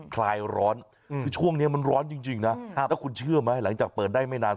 คลายร้อนคือช่วงนี้มันร้อนจริงนะแล้วคุณเชื่อไหมหลังจากเปิดได้ไม่นาน